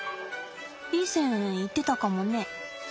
いい線いってたかもね。